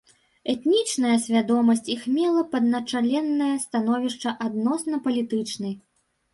Этнічная свядомасць іх мела падначаленае становішча адносна палітычнай.